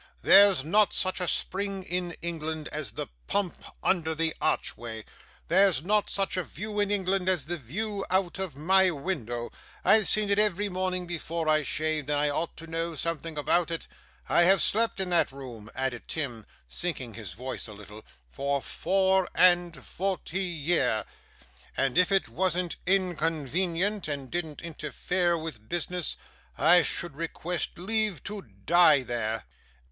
There's not such a spring in England as the pump under the archway. There's not such a view in England as the view out of my window; I've seen it every morning before I shaved, and I ought to know something about it. I have slept in that room,' added Tim, sinking his voice a little, 'for four and forty year; and if it wasn't inconvenient, and didn't interfere with business, I should request leave to die there.